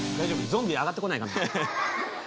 ゾンビ上がってこないかな？